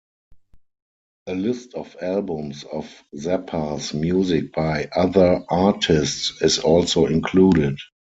A list of albums of Zappa's music by other artists is also included.